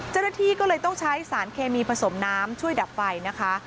เจ้าหน้าที่ก็เลยต้องใช้สารเคมีผสมน้ำช่วยดับไฟนะคะ